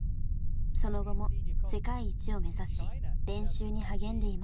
その後も世界一を目指し練習に励んでいます。